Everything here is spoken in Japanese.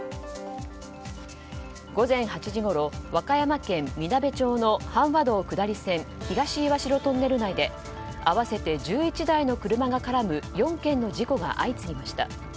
午前８時ごろ和歌山県みなべ町の阪和道下り線東岩代トンネル内で合わせて１１台の車が絡む４件の事故が相次ぎました。